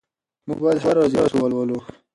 موږ بايد هره ورځ يو څه ولولو.